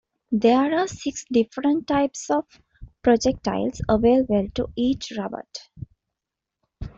There are six different types of projectiles available to each robot.